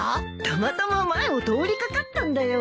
たまたま前を通りかかったんだよ。